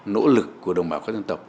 nỗ lực của đồng bào các dân tộc